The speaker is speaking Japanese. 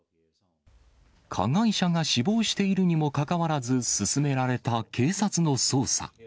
加害者が死亡しているにもかかわらず、進められた警察の捜査。